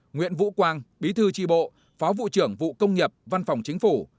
nguyễn vũ quang bí thư tri bộ phó vụ trưởng vụ công nghiệp văn phòng chính phủ